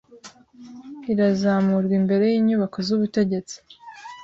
irizamurwa imbere y inyubako z ubutegetsi